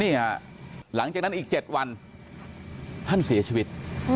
หลังจากนั้นอีก๗วันท่านเสียชีวิต